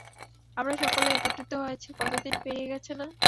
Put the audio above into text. আমরা সকলে একত্রিত হয়েছি কতদিন পেরিয়ে গেছে না?